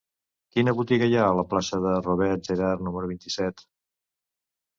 Quina botiga hi ha a la plaça de Robert Gerhard número vint-i-set?